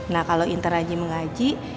nah kalau intan rajin mengaji